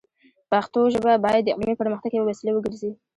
پښتو ژبه باید د علمي پرمختګ یوه وسیله وګرځي.